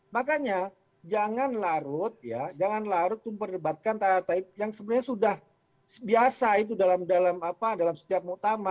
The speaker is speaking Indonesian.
makanya jangan larut ya jangan larut memperdebatkan yang sebenarnya sudah biasa itu dalam setiap muktama